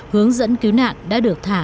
hướng dẫn cứu nạn đã được thả